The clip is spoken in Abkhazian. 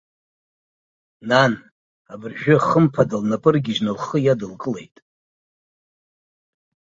Нан, абыржәы, хымԥада лнапы ыргьежьны лхы иадылкылеит.